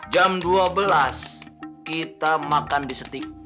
jam dua belas kita makan di setik